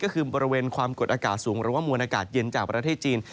ก็คือบริเวณความกดอากาศสูงหรือว่ามวลอากาศเย็นจากประเทศจีน